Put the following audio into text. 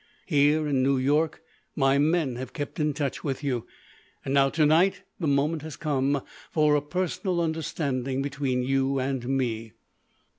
"Here, in New York, my men have kept in touch with you. And now, to night, the moment has come for a personal understanding between you and me."